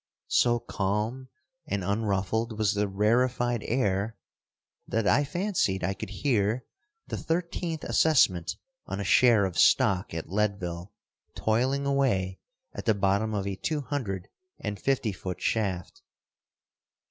So calm and unruffled was the rarified air that I fancied I could hear the thirteenth assessment on a share of stock at Leadville toiling away at the bottom of a two hundred and fifty foot shaft.